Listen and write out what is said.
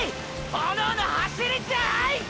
炎の走りじゃい！！